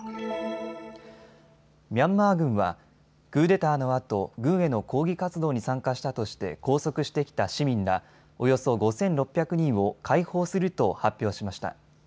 ミャンマー軍はクーデターのあと軍への抗議活動に参加したとして拘束してきた市民らおよそ５６００人を解放すると発表しました。